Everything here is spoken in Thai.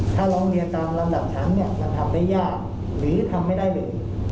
ถ้าร้องเรียนตามระดับทั้งเราทำได้ยากหรือทำไม่ได้เลย